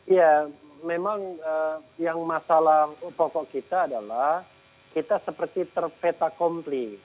ya memang yang masalah pokok kita adalah kita seperti terpeta kompli